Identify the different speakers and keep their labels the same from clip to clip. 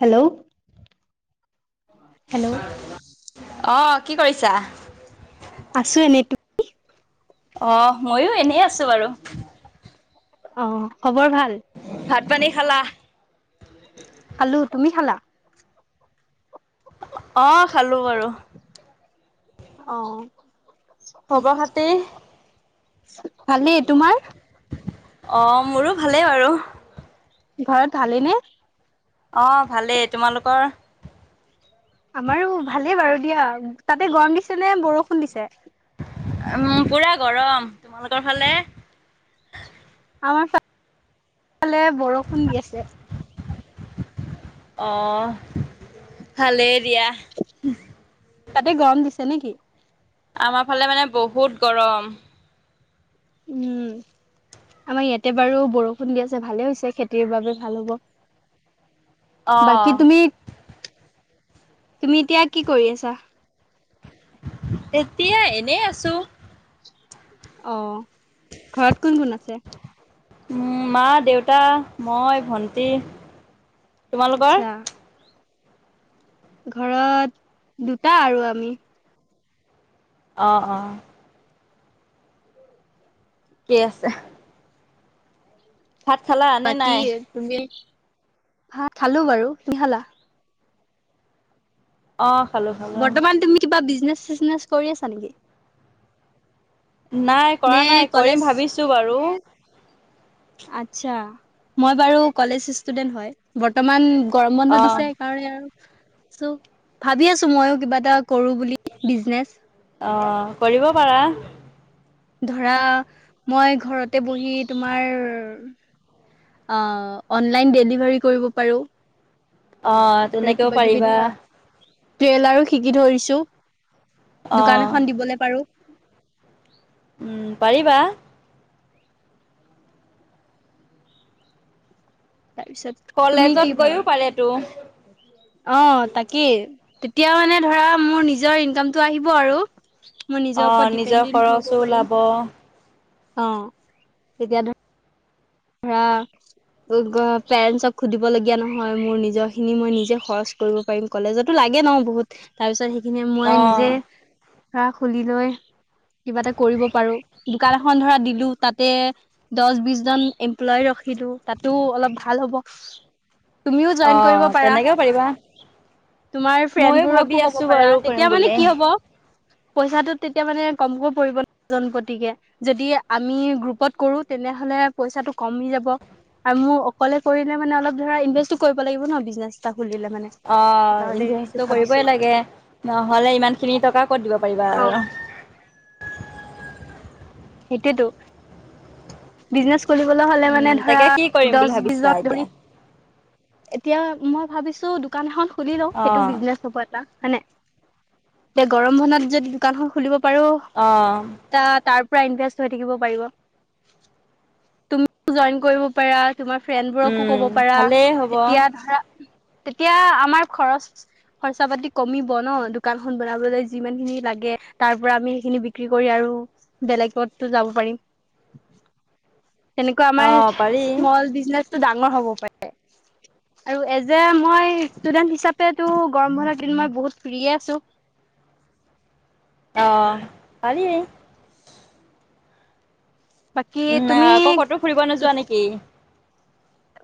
Speaker 1: Hello hello
Speaker 2: অ কি কৰিছা
Speaker 1: আছো এনেই তো
Speaker 2: অ ময়ো এনেই আছো বাৰু
Speaker 1: অ খবৰ ভাল
Speaker 2: ভাত পানী খালা
Speaker 1: খালো তুমি খালা
Speaker 2: অ', খালো বাৰু
Speaker 1: অ',
Speaker 2: খবৰ খাতি
Speaker 1: ভালেই তোমাৰ?
Speaker 2: অ', মোৰো ভালেই বাৰু
Speaker 1: ঘৰত ভালে নে?
Speaker 2: অ', ভালেই, তোমালোকৰ
Speaker 1: আমাৰো ভালেই বাৰু দিয়া, তাতে গৰম দিছে নে বৰষুণ দিছে
Speaker 2: পূৰা গৰম তোমালোকৰ ফালে
Speaker 1: আমাৰফালে বৰষুণ দি আছে
Speaker 2: অ', ভালেই দিয়া
Speaker 1: তাতে গৰম দিছে নেকি?
Speaker 2: আমাৰ ফালে মানে বহুত গৰম
Speaker 1: উম, আমাৰ ইয়াতে বাৰু বৰষুণ দি আছে ভালে হৈছে, খেতিৰ বাবে ভাল হ'ব বাকী
Speaker 2: অ',
Speaker 1: তুমি, তুমি এতিয়া কি কৰি আছা?
Speaker 2: এতিয়া এনেই আছো
Speaker 1: অ', ঘৰত কোন কোন আছে
Speaker 2: উম, মা, দেউতা, মই, ভন্টি তোমালোকৰ?
Speaker 1: আচ্ছা, ঘৰত দুটা, আৰু আমি
Speaker 2: অ', ঠিকে আছে ভাত খালা? নে
Speaker 1: বাকী
Speaker 2: নাই?
Speaker 1: তুমি ভ খালো বাৰু। তুমি খালা?
Speaker 2: অ', খালো। খালো।
Speaker 1: বৰ্তমান তুমি কিবা বিজনেচ চিজনেচ কৰি আছা নেকি?
Speaker 2: নাই কৰা
Speaker 1: নে
Speaker 2: নাই,
Speaker 1: কলেজ
Speaker 2: কৰিম ভাবিছো বাৰু
Speaker 1: আচ্ছা, মই বাৰু কলেজ ষ্টুডেন্ট হয় বৰ্তমান গৰম
Speaker 2: অ
Speaker 1: বন্ধ দিছে, সেইকাৰণে আৰু ভাবি আছো, মইো কিবা এটা কৰো বুলি বিজনেচ
Speaker 2: অ', কৰিব পাৰা
Speaker 1: ধৰা, মই ঘৰতে বহি তোমাৰ অ', অলাইন ডেলিভাৰী কৰিব পাৰো
Speaker 2: অ',
Speaker 1: আৰু
Speaker 2: তেনেকেও
Speaker 1: কিবা কিবি
Speaker 2: পাৰিবা
Speaker 1: ধৰা ট্ৰেইলাৰো শিকি ধৰিছো,
Speaker 2: অ
Speaker 1: দোকান এখন দিবলৈ পাৰো
Speaker 2: উম, পাৰিবা
Speaker 1: তাৰপিছত তুমি কি
Speaker 2: কলেজত
Speaker 1: ভাবা?
Speaker 2: গৈয়ও পাৰে তো
Speaker 1: অ', তাকেই তেতিয়া মানে ধৰা মোৰ নিজৰ ইনকামটো আহিব আৰু মই
Speaker 2: অ
Speaker 1: নিজৰ ওপৰত ডিপেণ্ডে হব
Speaker 2: খৰচো
Speaker 1: পাৰিম।
Speaker 2: ওলাব অ',
Speaker 1: অ', তেতিয়া ধ হ পেৰেন্টছক সুধিবলগীয়া নহয়, মোৰ নিজৰ খিনি মই নিজে খহজ কৰিব পাৰিম কলেজতো লাগে ন বহুত, তাৰ পিছত সেইখিনি মই নিজে ধৰা খুলি লৈ কিবা এটা কৰিব পাৰো, দোকান এখন ধৰা দিলো তাতে দহ বি জন এমপ্লয় ৰখিলো, তাতো অলপ ভাল হ'ব তুমিও
Speaker 2: অ
Speaker 1: জইন কৰিব পাৰা।
Speaker 2: তেনেকেও পাৰিবা
Speaker 1: তোমাৰ
Speaker 2: ময়ো ভাবি
Speaker 1: ফ্ৰেণ্ডবোৰকো কব
Speaker 2: আছো
Speaker 1: পাৰা
Speaker 2: বাৰু কৰিম
Speaker 1: তেতিয়া মানে
Speaker 2: বুলি
Speaker 1: কি হব পইচাটো তেতিয়া মানে কমকৈ পৰিব ন জনপতিকে যদি আমি গ্ৰুপত কৰো তেনেহলে পইচাটো কমি যাব। আৰু মোক অকলে কৰিলে মানে অলপ ধৰা ইনভেষ্টটো কৰিব লাগিব ন? বিজনেছ এটা খুলিলে মানে।
Speaker 2: অ,
Speaker 1: সেইকাৰণে সেইটো
Speaker 2: ইনভাৰেঞ্চটো
Speaker 1: ভাবিছো
Speaker 2: কৰিবই লাগে নহ'লে ইমানখিনি টকা ক'ত দিব পাৰিবা
Speaker 1: অ
Speaker 2: আৰু।
Speaker 1: সিতিতো। বিজনেছ কৰিবলৈ হ'লে মানে
Speaker 2: উম
Speaker 1: ধৰা
Speaker 2: তাকে কি কৰিম বুলি
Speaker 1: দহ
Speaker 2: ভাবিছা
Speaker 1: বিজন ধৰি
Speaker 2: এতিয়া
Speaker 1: এতিয়া মই ভাবিছো দোকান এখন খুলি লও
Speaker 2: অ
Speaker 1: সেইটো বিজনেছ ওপৰত হয়নে এতিয়া গৰম বনত যদি দোকান খ, খুলিব পাৰো।
Speaker 2: অ'।
Speaker 1: এ, তাৰ পৰা ইনভেষ্ট হৈ থাকিব পাৰিব। তুমি জইন কৰিব পাৰা। তোমাৰ ফ্ৰেণ্ডবোৰকো
Speaker 2: উম
Speaker 1: ক'ব পাৰা
Speaker 2: ভালেই হ'ব
Speaker 1: তেতিয়া ধৰা তেতিয়া আমাৰ খৰচ খৰচা পাতি কমিব ন, দোকান খন বনাবলৈ যিমান খিনি লাগে তাৰ পৰা আমি সেইখিনি বিক্ৰী কৰি আৰু বেলেগতো যাব পাৰিম। তেনেকুৱা
Speaker 2: অ
Speaker 1: আমাৰ
Speaker 2: পাৰি
Speaker 1: স্মল বিজনেচটো ডাঙৰ হ'ব পাৰে। আৰু এজ এ মই ষ্টুডেন্ট হিচাপে গৰম বলাৰ দিন মই বহুত ফ্ৰৰিয়ে আছো।
Speaker 2: অ, পাৰি।
Speaker 1: বাকী
Speaker 2: উ,
Speaker 1: তুমি
Speaker 2: কটো ফুৰিব নোযোৱা নেকি?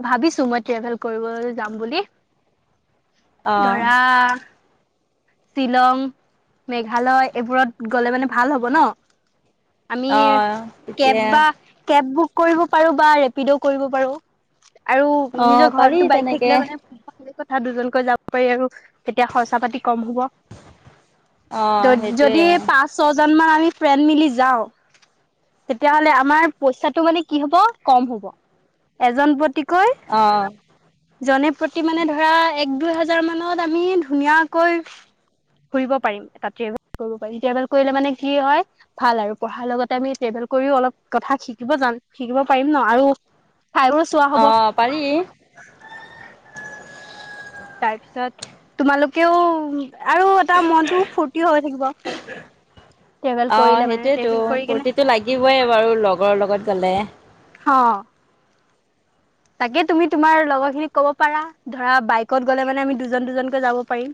Speaker 1: ভাবিছো মই ট্ৰেভেল কৰিবলৈ যাম বুলি
Speaker 2: অ
Speaker 1: ধৰা শ্বিলং, মেঘালয় এইবোৰত গলে মানে ভাল হ'ব ন। আমি
Speaker 2: অ
Speaker 1: কেব
Speaker 2: তেতিয়া
Speaker 1: বা কেব বুক কৰিব পাৰো, বা ৰেপিড কৰিব পাৰো। আৰু
Speaker 2: অ
Speaker 1: নিজৰ
Speaker 2: পাৰি
Speaker 1: ঘৰতটো বাইক
Speaker 2: তেনেকে
Speaker 1: থাকিলে মানে ভালে কথা দুজনকৈ যাব পাৰি আৰু তেতিয়া খৰচা পাতি কম হ'ব।
Speaker 2: অ সেইটোৱে
Speaker 1: যদি পাঁচ, ছয় জন মান আমি ফ্ৰেণ্ড মিলি যাওঁ। তেতিয়াহ'লে আমাৰ পইচাটো মানে কি হ'ব কম হ'ব এজন প্ৰতিতিকৈ
Speaker 2: অ'।
Speaker 1: জনী প্ৰতি মানে ধৰা এক, দুই হাজাৰ মানত আমি ধুনীয়াকৈ ফুৰিব পাৰিম এটা ট্ৰেভেল কৰিব পাৰিম। ট্ৰেভেল কৰিলে মানে কি হয়। ভাল আৰু পঢ়াৰ লগতে আমি ট্ৰেভেল কৰিও অলপ কথা শিকিব যাম শিকিব পাৰিম ন আৰু [unintelligible]
Speaker 2: অ, পাৰি।
Speaker 1: তাৰপিছত তোমালোকেও আৰু এটা মনটোও ফূৰ্তি হৈ থাকিব। ট্ৰেভেল কৰিলে মানে ট্ৰেভেল কৰি কিনে
Speaker 2: শিকিবই বাৰু লগৰৰ লগত গ'লে।
Speaker 1: অ'। তাকে তুমি তোমাৰ লগৰ খিনিক ক'ব পাৰা ধৰা বাইকত গ'লে মানে আমি দুজন, দুজনকৈ যাব পাৰিম।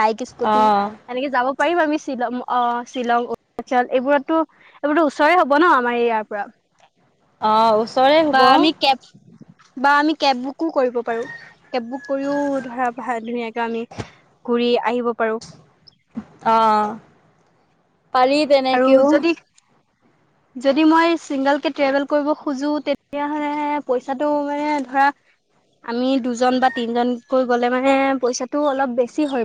Speaker 1: বাইক
Speaker 2: অ
Speaker 1: স্কুটি এনেকে যাব পাৰিম আমি শ্বিলং অ, শ্বিলং, অৰুণাচল এইবোৰতো এইবোৰতো ওচৰে হ'ব ন আমাৰ ইয়াৰ পৰা
Speaker 2: অ'। ওচৰে
Speaker 1: বা
Speaker 2: হ'ব
Speaker 1: আমি কেব বা আমি কেব বুকো কৰিব পাৰো। কেব বুক কৰিও ধৰা ধুনীয়াকে আমি ঘুৰি আহিব পাৰো।
Speaker 2: অ, পাৰি।
Speaker 1: আৰু
Speaker 2: তেনেকেও
Speaker 1: যদি যদি মই চিংগল কে ট্ৰেভেল কৰিব খোজো তেতিয়াহলে পইচাটো মানে ধৰা আমি দুজন বা তিনজনকৈ গ'লে মানে পইচাটো অলপ বেছি হয়।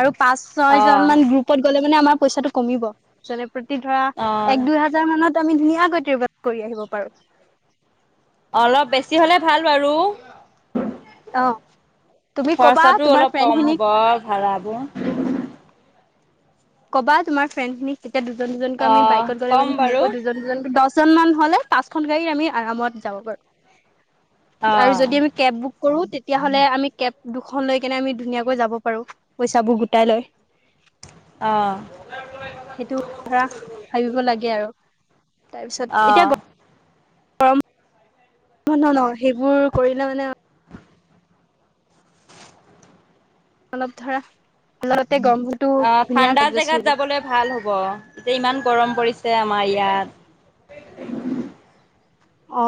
Speaker 1: আৰু পাঁচ ছয়
Speaker 2: অ
Speaker 1: জন মান গ্ৰুপত গলে মানে আমাৰ পইচাটো কমিব। যনে প্ৰতি ধৰা
Speaker 2: অ
Speaker 1: এক দুই হাজাৰ মানত আমি ধুনীয়াকৈ কৰি আহিব পাৰো।
Speaker 2: অলপ বেছি হলে ভাল বাৰু।
Speaker 1: অ তুমি কবা
Speaker 2: খৰচাটো
Speaker 1: তোমাৰ
Speaker 2: অলপ
Speaker 1: ফ্ৰেণ্ড
Speaker 2: কম
Speaker 1: খিনিক
Speaker 2: হ'ব ভাড়াবোৰ।
Speaker 1: ক'বা তোমাৰ ফ্ৰেণ্ডখিনিক তেতিয়া দুজন, দুজনকৈ
Speaker 2: অ
Speaker 1: আমি বাইকত গ'লে
Speaker 2: কম
Speaker 1: মানে
Speaker 2: বাৰু
Speaker 1: ধুনীয়াকৈ দুজন, দুজনকৈ দচ জন মান হলে পাঁচখন গাড়ী আমি আৰামত যাব পাৰো আৰু
Speaker 2: অ',
Speaker 1: যদি আমি কেব বুক। কৰো তেতিয়া হলে আমি কেব দুখন লৈ কেনে আমি ধুনীয়াকৈ যাব পাৰো পইচাবোৰ গোটাই লৈ।
Speaker 2: অ।
Speaker 1: সেইটো ধৰা ভাবিব লাগে আৰু তাৰপিছত এতিয়া গ।
Speaker 2: অ',
Speaker 1: ন ন ন সেইবোৰ কৰিলে মানে। অলপ ধৰা আগতে গম।
Speaker 2: অ ঠাণ্ডা জেগাত যাবলৈ ভাল হ'ব এতিয়া ইমান গৰম পৰিছে আমাৰ ইয়াত।
Speaker 1: অ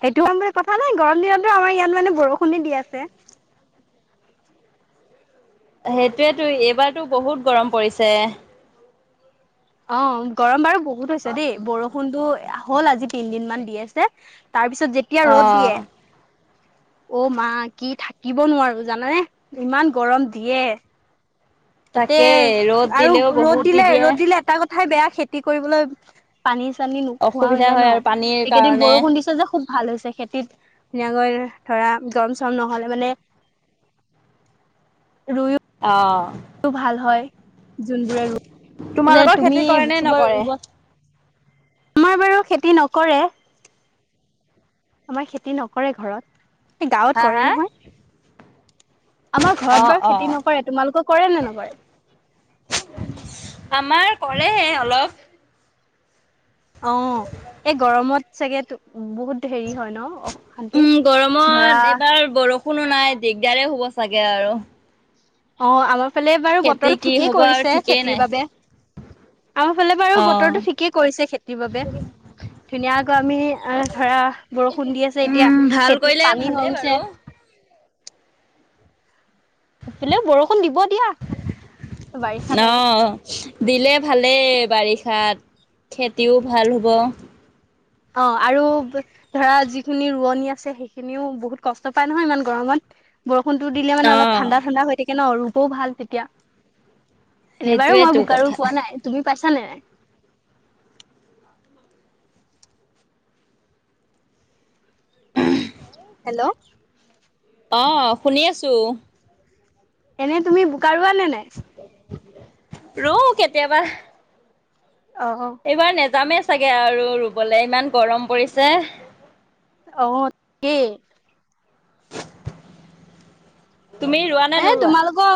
Speaker 1: সেইটো হ'ম বুলি কথা নাই গৰম দিনতো আমাৰ ইয়াত মানে বৰষুণে দি আছে দ
Speaker 2: হেটোয়েতো এইবাৰতো বহুত গৰম পৰিছে।
Speaker 1: অ গৰম বাৰু বহুত হৈছে দেই বৰষুণ। ফোনটো হ'ল আজি তিন দিনমান দি আছে তাৰ পিছত যেতিয়া ৰ'দ দিয়ে।
Speaker 2: অ'।
Speaker 1: অ মা কি থাকিব নোৱাৰো জানানে ইমান গৰম দিয়ে। তাতে
Speaker 2: তাকেই ৰ'দ
Speaker 1: আৰু
Speaker 2: দিলেও
Speaker 1: ৰ'দ
Speaker 2: বহুত দি
Speaker 1: দিলে
Speaker 2: দিয়ে
Speaker 1: ৰ'দ দিলে এটা কথাই বেয়া খেতি কৰিবলৈ। পানী চানী নোখোৱা হৈ
Speaker 2: অসুবিধা
Speaker 1: যায়
Speaker 2: হয়
Speaker 1: ন
Speaker 2: আৰু পানীৰ
Speaker 1: এইকেইদিন
Speaker 2: কাৰণে
Speaker 1: বৰষুণ দিছে যে। খুব ভাল হৈছে খেতিত ধুনীয়াকৈ ধৰা গৰম চৰম নহলে মানে। ৰুইও।
Speaker 2: অ।
Speaker 1: ভাল হয় যোনবোৰ আৰু যে
Speaker 2: তোমালোকৰ
Speaker 1: তুমি
Speaker 2: খেতি কৰে নে
Speaker 1: চবৰ
Speaker 2: নকৰে?
Speaker 1: আমাৰ বাৰু খেতি নকৰে আমাৰ খেতি নকৰে ঘৰত। এই গাঁৱত
Speaker 2: হা
Speaker 1: কৰে
Speaker 2: হা
Speaker 1: নহয়। আমাৰ ঘৰত
Speaker 2: অ',
Speaker 1: বাৰু খেতি
Speaker 2: অ',
Speaker 1: নকৰে তোমালোকৰ কৰে নে নকৰে।
Speaker 2: আমাৰ কৰে অলপ।
Speaker 1: অ এই গৰমত চাগে তু বহুত। হেৰি হয় ন অশান্তি ধৰা।
Speaker 2: কোনো নাই দিগদাৰে হ'ব চাগে আৰু।
Speaker 1: অ আমাৰ ফালে বাৰু
Speaker 2: খেতি
Speaker 1: বতৰ
Speaker 2: কি
Speaker 1: ঠিকেই
Speaker 2: হ'ব আৰু
Speaker 1: কৰিছে
Speaker 2: ঠিকেই নাই
Speaker 1: খেতিৰ বাবে। আমাৰ ফালে বাৰু
Speaker 2: অ'।
Speaker 1: বতৰটো ঠিকেই কৰিছে খেতিৰ বাবে। ধুনীয়াকৈ আমি ধৰা বৰষুণ দি আছে এতিয়া
Speaker 2: উম, ভাল
Speaker 1: খেতিত
Speaker 2: কৰিলে
Speaker 1: পানী
Speaker 2: ভালেই
Speaker 1: হৈ গৈছে।
Speaker 2: বাৰু।
Speaker 1: সেইফালে বৰষুণ দিব দিয়া বাৰিষাত আৰু।
Speaker 2: অ', দিলে ভালেই বাৰিষাত খেতিও ভাল হ'ব।
Speaker 1: অ আৰু। ধৰা যিখিনি ৰোৱনি আছে সেইখিনিও বহুত কষ্ট পাই নহয় ইমান গৰমত। বৰষুণটো দিলে মানে অলপ
Speaker 2: অ',
Speaker 1: ঠাণ্ডা ঠাণ্ডা হৈ থাকে ন ৰুবও ভাল তেতিয়া। এনে বাৰো মই
Speaker 2: সেইটোৱেতো
Speaker 1: বোকাত
Speaker 2: কথা।
Speaker 1: ৰুই পোৱা নাই তুমি পাইছা নে নাই। হেল্ল'।
Speaker 2: অ শুনি আছো।
Speaker 1: এনে তুমি বোকাত ৰুৱা নে নাই।
Speaker 2: ৰুও কেতিয়াবা।
Speaker 1: অ অ।
Speaker 2: এইবাৰ নেযামেই চাগে আৰু ৰুবলৈ ইমান গৰম পৰিছে।
Speaker 1: অ তাকেই।
Speaker 2: তুমি ৰোৱা নে
Speaker 1: এ
Speaker 2: নোৰোৱা?
Speaker 1: তোমালোকৰ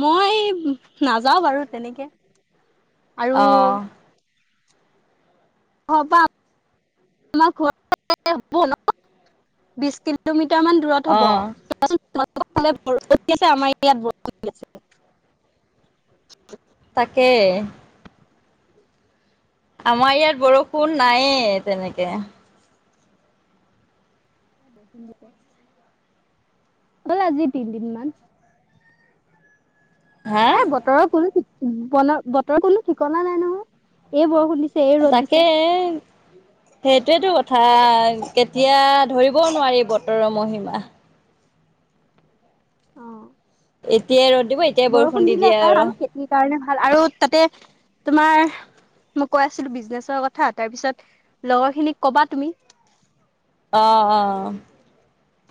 Speaker 1: মই নাযাওঁ বাৰু তেনেকে। আৰু।
Speaker 2: অ',
Speaker 1: অ পাম-। আমাৰ ঘৰ হব ন বিশ কিলোমিটাৰ মান। দূৰত হব
Speaker 2: অ',
Speaker 1: চোৱাচোন তোমাৰলোকৰ ফালে বৰষুণ দি আছে আমাৰ ইয়াত বৰষুণ দি আছে।
Speaker 2: তাকেই। আমাৰ ইয়াত বৰষুণ নায়ে তেনেকে
Speaker 1: বৰষুণ দিছে অল আজি তিনিদিন মমান
Speaker 2: হে
Speaker 1: এ বতৰৰ কোনো ব বতৰৰ কোনো ঠিকনা নাই নহয় এই বৰষুণ দি
Speaker 2: তাকে সেইটোয়েতটো কথা কেতিয়া ধৰিবও নোৱাৰি বতৰৰ মহিমা
Speaker 1: অ
Speaker 2: এতিয়াই ৰ'দ দিব এতিয়াই বৰষুণ দি দিয়ে আৰু
Speaker 1: স কাৰণে ভাল আৰু তাতে তোমাৰ মই কৈ আছিলো বিজনেছৰ কথা তাৰ পিছত লগৰ খিনিক কবা তুমি
Speaker 2: অ অ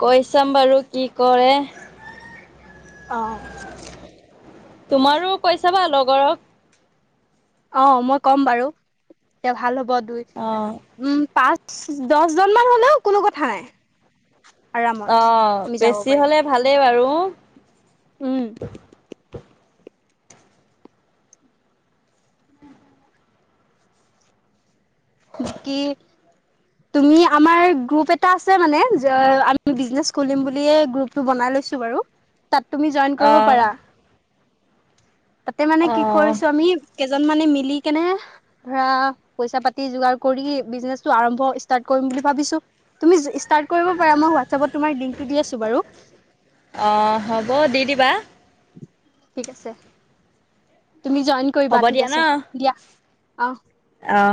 Speaker 2: কৈ চাম বাৰু কি কৰে
Speaker 1: অ
Speaker 2: তোমাৰো কৈছাবা লগৰক
Speaker 1: অ মই ক'ম বাৰু এতিয়া ভাল হ'ব দুই
Speaker 2: অঁ
Speaker 1: উম পাঁচ দহজনমানান হলেও কোনো কথা নাই আৰামত
Speaker 2: অঁ
Speaker 1: আমি যাব
Speaker 2: বেছি
Speaker 1: পাৰিম
Speaker 2: হ'লে ভালেই বাৰু
Speaker 1: উম বাকী তুমি আমাৰ গ্ৰুপ এ আছে মানে আমিনে খ গ্ৰ বনাই লৈছো বাৰু তাত তুমি জইন কৰিব
Speaker 2: অ'।
Speaker 1: পাৰা তাতে মানে কি
Speaker 2: অ',
Speaker 1: কৰিছো আমি কেইজন মানে মিলি কেনে ধৰা পইচা পাতি যোগাৰ কৰি বিজনেছটো আৰম্ভ ষ্টাৰ্ট কৰিম বুলি ভাবিছো তুমি ষ্টাৰ্ট কৰিব পাৰা মই হোৱাটছএপত তোমাৰ লিংকটো দি আছো বাৰু
Speaker 2: অঁ হ'ব দি দিবা
Speaker 1: ঠিক আছে তুমি জইন কৰিবা
Speaker 2: হ'ব
Speaker 1: ঠিক
Speaker 2: দিয়া ন
Speaker 1: আছে দিয়া অ
Speaker 2: অ